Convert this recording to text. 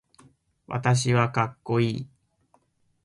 私はかっこいい